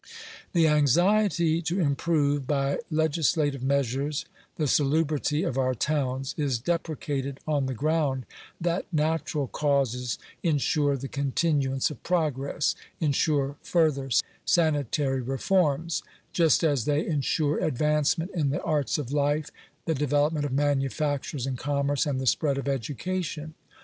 The anxiety to improve by legislative measures the salubrity of our towns, is deprecated on the ground that natural causes insure the continuance of progress — insure further sanitary reforms, just as they insure advancement in the atrts of life^ the development of manufactures and commerce, and the spread of education.